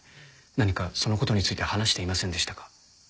何かその事について話していませんでしたか？